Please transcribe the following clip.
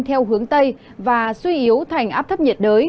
theo hướng tây và suy yếu thành áp thấp nhiệt đới